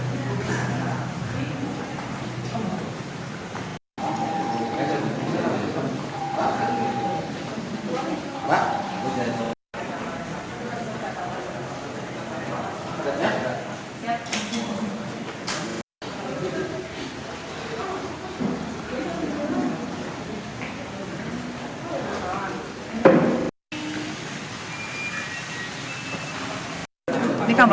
selamat datang di channel saya